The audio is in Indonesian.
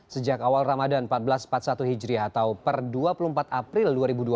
sejak awal ramadan seribu empat ratus empat puluh satu hijri atau per dua puluh empat april dua ribu dua puluh